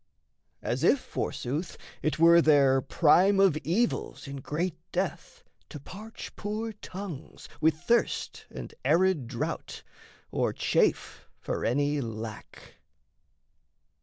As if, forsooth, It were their prime of evils in great death To parch, poor tongues, with thirst and arid drought, Or chafe for any lack.